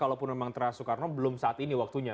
kalau pun memang teras soekarno belum saat ini waktunya